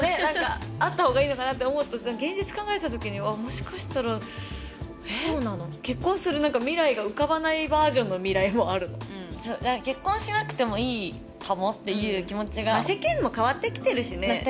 何かあったほうがいいのかなって思うと現実考えた時にもしかしたらえっ結婚する未来が浮かばないバージョンの未来もあるの結婚しなくてもいいかもっていう気持ちが世間も変わってきてるしね